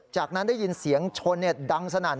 จากนั้นได้ยินเสียงชนดังสนั่น